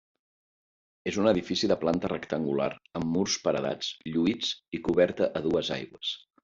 És un edifici de planta rectangular amb murs paredats, lluïts, i coberta a dues aigües.